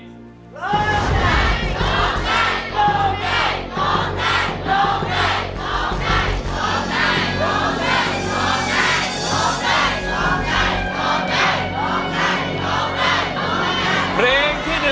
ร้องได้ร้องได้ร้องได้ร้องได้